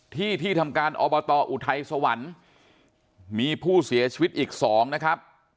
ที่ที่ทำการอบตออุทัยสวรรค์มีผู้เสียชีวิตอีก๒นะครับ